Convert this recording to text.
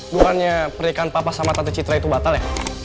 bukannya pernikahan papa sama tante citra itu batal ya